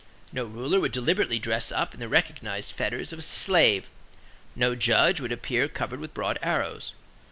No ruler would deliberately dress up in the recognized fetters of a slave; no judge would appear covered with broad arrows.